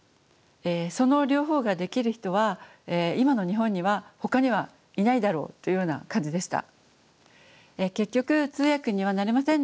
その両方ができる人は今の日本にはほかにはいないだろうというような感じでした。